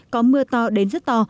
có mưa to đến rất to